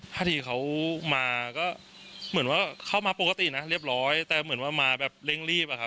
พอดีเขามาก็เหมือนว่าเข้ามาปกตินะเรียบร้อยแต่เหมือนว่ามาแบบเร่งรีบอะครับ